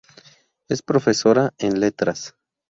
Es profesora en Letras.